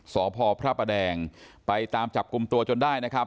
สพพระประแดงไปตามจับกลุ่มตัวจนได้นะครับ